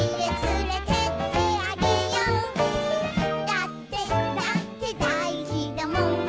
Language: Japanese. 「だってだってだいじだもん」